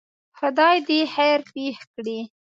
خدای دی خیر پېښ کړي.